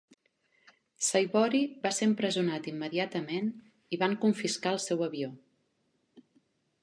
Saibory va ser empresonat immediatament i van confiscar el seu avió.